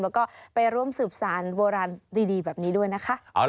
แล้วก็ไปร่วมสืบสารโบราณดีแบบนี้ด้วยนะคะ